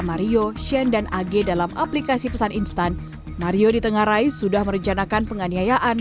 mario shane dan ag dalam aplikasi pesan instan mario ditengarai sudah merencanakan penganiayaan